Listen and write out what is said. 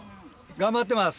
頑張ってます。